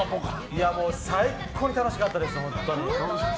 最高に楽しかったです、本当に。